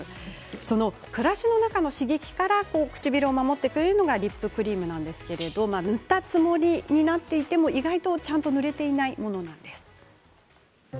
暮らしの中の刺激から唇を守ってくれるのがリップクリームなんですが塗ったつもりになっていても意外とちゃんと塗れていないものなんです。